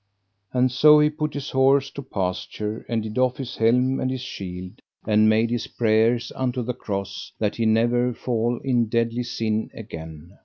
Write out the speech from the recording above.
And so he put his horse to pasture, and did off his helm and his shield, and made his prayers unto the Cross that he never fall in deadly sin again.